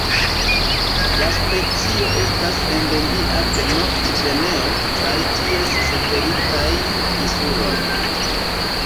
La specio estas endemia de Nov-Gvineo kaj ties satelitaj insuloj.